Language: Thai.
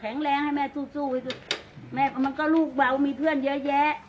แรงให้แม่สู้สู้แม่มันก็ลูกเบามีเพื่อนเยอะแยะ